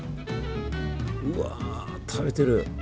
うわ食べてる！